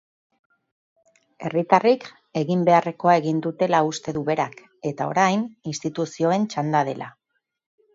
Herritarrek egin beharrekoa egin dutela uste duberak eta orain orain instituzioen txanda dela.